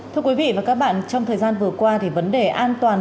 thưa quý vị và các bạn trong thời gian vừa qua thì vấn đề an toàn